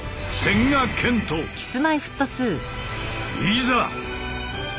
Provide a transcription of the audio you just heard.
いざ！